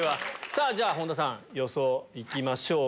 じゃ本田さん予想いきましょうか。